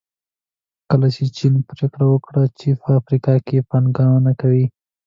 کله چې چین پریکړه وکړه چې په افریقا کې به پانګونه کوي.